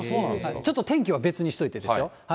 ちょっと天気は別にしといてですよ。